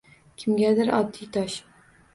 Kimgadir oddiy tosh